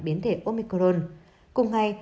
biến thể omicron cùng hay